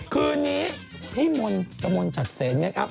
คืนนี้พี่มนต์ตะมนต์จัดเสนไงครับ